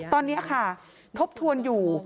ตอนนี้ค่ะทบทวนอยู่